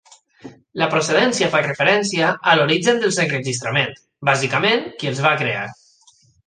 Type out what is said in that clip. La procedència fa referència a l'origen dels enregistraments, bàsicament qui els va crear.